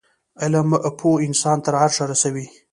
علم پوه انسان تر عرشه رسوی